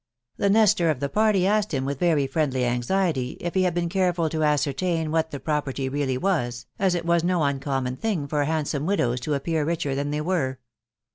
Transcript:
The Nestor of the party asked him with very ffifUfHy anxiety if he had been careful to ascertain what the property really was, as it was no uncommon tiling for handsome .wijoja to appear richer than they were.